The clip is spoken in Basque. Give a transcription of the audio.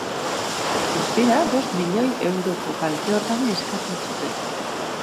Guztira, bost milioi euroko kalte-ordaina eskatzen zuten.